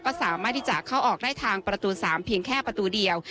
ก็สามารถที่จะเข้าออกได้ทางประตู๓เพียงแค่ประตูเดียว